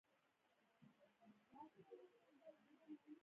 غیرلچک جسم د ټکر په وخت کې انرژي له لاسه ورکوي.